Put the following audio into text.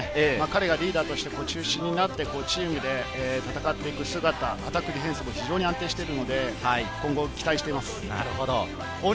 彼がリーダーとして中心になってチームで戦っていく姿、アタック、ディフェンスも安定してるので期待しています。